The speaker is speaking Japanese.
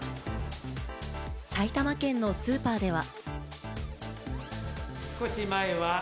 埼玉県のスーパーでは。